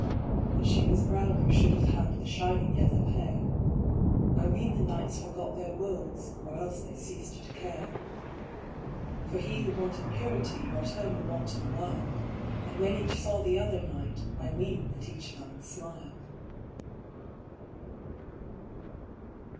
But she was brown who should have had The shining yellow hair I ween the knights forgot their words Or else they ceased to care. For he who wanted purity Brought home a wanton wild, And when each saw the other knight I ween that each knight smiled.